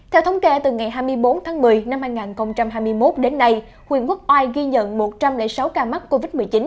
theo thống kê từ ngày hai mươi bốn tháng một mươi năm hai nghìn hai mươi một đến nay huyện quốc oai ghi nhận một trăm linh sáu ca mắc covid một mươi chín